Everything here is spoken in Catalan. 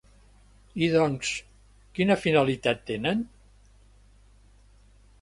I doncs, quina finalitat tenen?